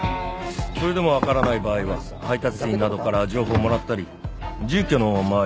それでもわからない場合は配達員などから情報をもらったり住居の周りを調べる。